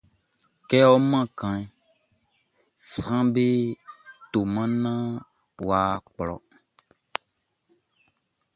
Kɛ ɔ man kanʼn, sranʼm be toman naan wʼa kplɔ.